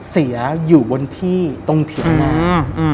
เสียอยู่บนที่ตรงเถียงนา